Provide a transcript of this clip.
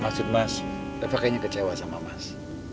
maksud mas eva kayaknya kecewa sama mas